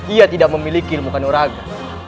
ia tidak memiliki ilmu kanoraga